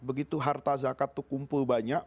begitu harta zakat itu kumpul banyak